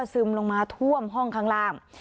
ซึมลงมาท่วมห้องข้างล่าง